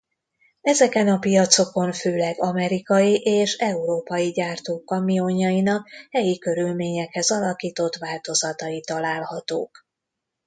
Ezeken a piacokon főleg amerikai és európai gyártók kamionjainak helyi körülményekhez alakított változatai találhatók.